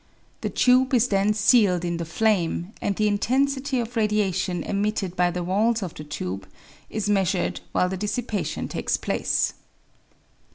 The tube is then sealed in the flame, and the intensity of radiation emitted by the walls of the tube is measured while the dissipation takes place.